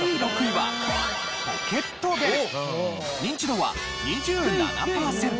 ニンチドは２７パーセント。